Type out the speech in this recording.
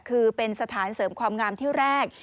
คือเป็นสถานเสริมความงามที่แรก